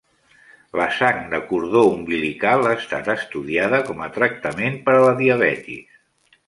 La sang de cordó umbilical ha estat estudiada com a tractament per a la diabetis.